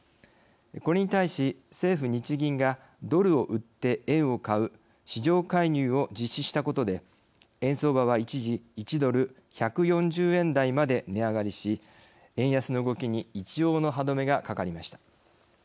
これに対し、政府・日銀がドルを売って円を買う市場介入を実施したことで円相場は一時、１ドル１４０円台まで値上がりし、円安の動きに一応の歯止めがかかりました。